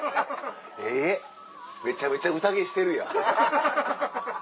えっめちゃめちゃうたげしてるやん。